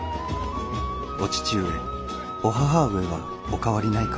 お義父上お義母上はお変わりないか」。